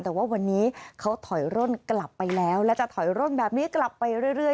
แต่ว่าวันนี้เขาถอยร่นกลับไปแล้วแล้วจะถอยร่นแบบนี้กลับไปเรื่อย